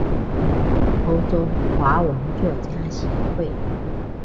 欧洲华文作家协会。